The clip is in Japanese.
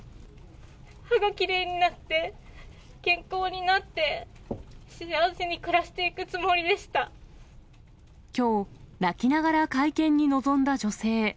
歯がきれいになって、健康になって、幸せに暮らしていくつもりできょう、泣きながら会見に臨んだ女性。